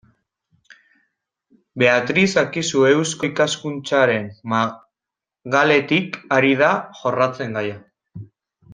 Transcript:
Beatriz Akizu Eusko Ikaskuntzaren magaletik ari da jorratzen gaia.